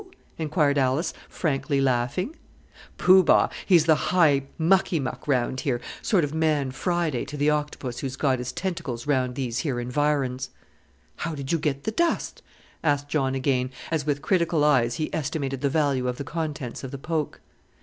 inquired Alice, frankly laughing. "Poo Bah he's the high mucky muck round here, sort of 'man Friday' to the Octopus who's got his tentacles round these here environs." "How did you get the dust?" asked John again, as with critical eyes he estimated the value of the contents of the poke.